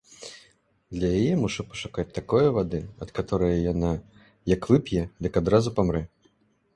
Для яе мушу пашукаць такое вады, ад каторае яна, як вып'е, дык адразу памрэ.